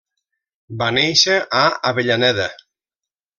Va néixer a Avellaneda.